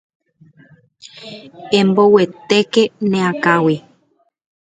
Emboguetéke ne akãgui.